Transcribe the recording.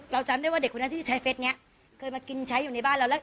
จำได้ว่าเด็กคนนั้นที่ใช้เฟสนี้เคยมากินใช้อยู่ในบ้านเราแล้ว